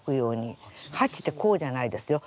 ８ってこうじゃないですよ